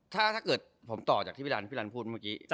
ถ้าเกิดผมต่อจากที่พี่รันพี่รันพูดเมื่อกี้